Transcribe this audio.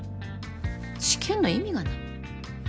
試験の意味がない。